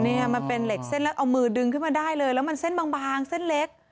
นี่มันเป็นเหล็กเส้นแล้วเอามือดึงขึ้นมาได้เลยแล้วมันเส้นบางเส้นเล็ก